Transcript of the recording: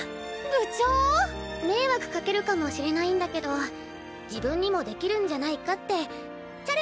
部長を⁉迷惑かけるかもしれないんだけど自分にもできるんじゃないかってチャレンジしてみたいんだ。